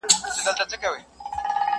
هم له پنده څخه ډکه هم ترخه ده،